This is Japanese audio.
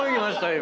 今。